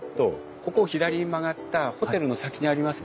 ここを左に曲がったホテルの先にありますよ。